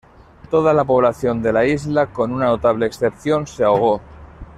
Toda la población de la isla, con una notable excepción, se ahogó.